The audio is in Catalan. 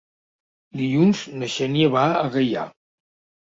Dilluns na Xènia va a Gaià.